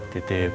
ya udah be